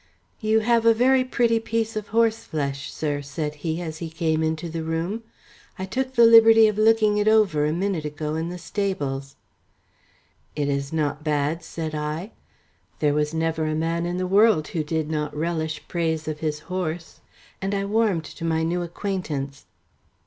"You have a very pretty piece of horseflesh, sir," said he, as he came into the room. "I took the liberty of looking it over a minute ago in the stables." "It is not bad," said I. There was never a man in the world who did not relish praise of his horse, and I warmed to my new acquaintance.